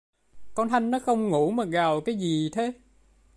con thanh nó không ngủ mà gào cái gì thế